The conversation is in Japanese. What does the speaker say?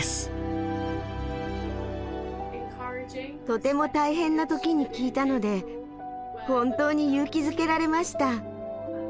とても大変な時に聴いたので本当に勇気づけられました。